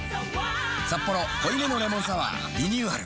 「サッポロ濃いめのレモンサワー」リニューアル